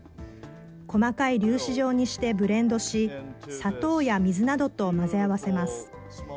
細かい粒子状にしてブレンドし、砂糖や水などと混ぜ合わせます。